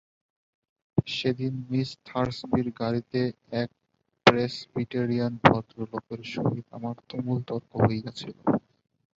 সেদিন মিস থার্সবির বাড়ীতে এক প্রেসবিটেরিয়ান ভদ্রলোকের সহিত আমার তুমুল তর্ক হইয়াছিল।